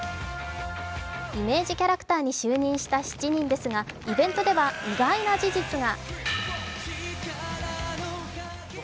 イメージキャラクターに就任した７人ですがイベントでは意外な事実が。